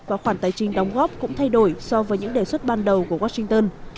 và khoản tài chính đóng góp cũng thay đổi so với những đề xuất ban đầu của washington